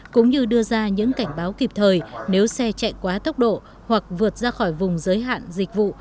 cũng như đưa ra những cảnh báo kịp thời nếu xe chạy quá tốc độ hoặc vượt ra khỏi vùng giới hạn dịch vụ